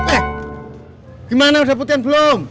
eh gimana udah putihan belum